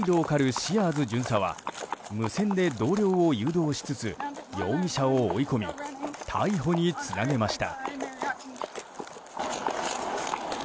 シアーズ巡査は無線で同僚を誘導しつつ容疑者を追い込み逮捕につなげました。